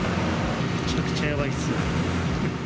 めちゃくちゃやばいですよ。